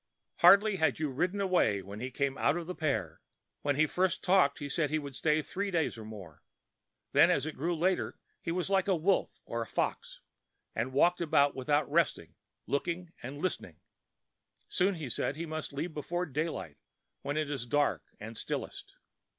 Hardly had you ridden away when he came out of the pear. When he first talked he said he would stay three days or more. Then as it grew later he was like a wolf or a fox, and walked about without rest, looking and listening. Soon he said he must leave before daylight when it is dark and stillest.